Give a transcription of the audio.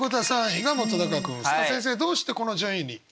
さあ先生どうしてこの順位に？